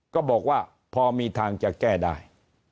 ก็บอกว่าพอมีทางจะแก้ได้